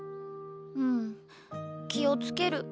うん気をつける。